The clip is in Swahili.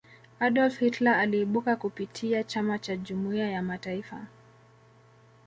adolf hitler aliibuka kupitia chama cha jumuiya ya mataifa